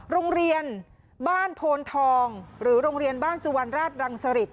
โรงเรียนบ้านโพนทองหรือโรงเรียนบ้านสุวรรณราชรังสริต